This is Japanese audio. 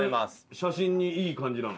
写真にいい感じなの？